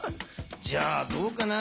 じゃあどうかな？